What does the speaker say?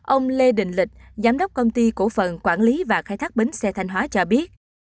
ông lê đình lịch giám đốc công ty cổ phần quản lý và khai thác bến xe thanh hóa cho biết